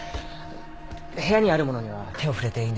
部屋にある物には手を触れていいんですよね。